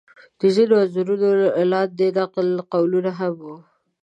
د ځینو انځورونو لاندې نقل قولونه هم و.